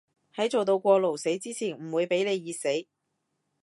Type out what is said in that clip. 喺做到過勞死之前唔會畀你熱死